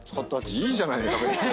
いいじゃない！